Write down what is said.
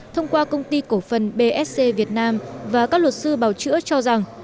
thông qua công ty cổ phần bsc việt nam và các luật sư bào chữa cho rằng